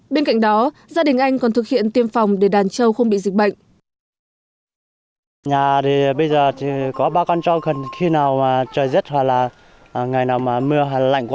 bên cạnh đó gia đình anh còn thực hiện tiêm phòng để đàn trâu không bị dịch bệnh